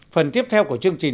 phần tiếp theo của chương trình